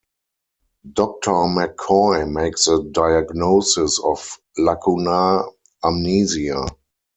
Doctor McCoy makes a diagnosis of lacunar amnesia.